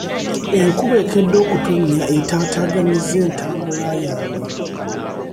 Enkuba ekedde okutonnya etaataaganyizza entambula yange.